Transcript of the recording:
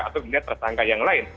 atau melihat tersangka yang lain